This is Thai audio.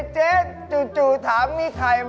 เจ๊จู่ถามมีใครไหม